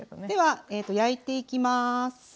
では焼いていきます。